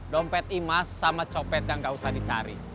dompet imas sama copet yang gak usah dicari